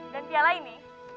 dan jalan ini